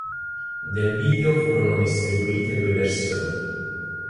Del video furono distribuite due versioni.